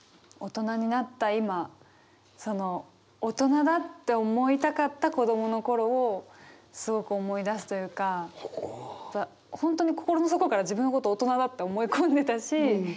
大人になった今その大人だって思いたかった子供の頃をすごく思い出すというか本当に心の底から自分のこと大人だって思い込んでたし。